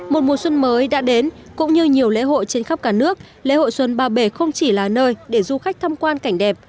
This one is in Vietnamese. một mùa xuân mới đã đến cũng như nhiều lễ hội trên khắp cả nước lễ hội xuân ba bể không chỉ là nơi để du khách tham quan cảnh đẹp